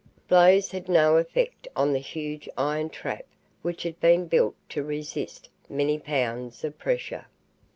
Blows had no effect on the huge iron trap which had been built to resist many pounds of pressure.